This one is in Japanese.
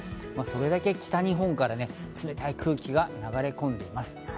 それだけ北日本から冷たい空気が流れ込んできます。